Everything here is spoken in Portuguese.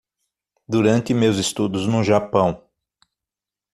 Durante meus estudos no Japão